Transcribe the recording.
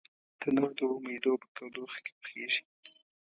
تنور د امیدو په تودوخه کې پخېږي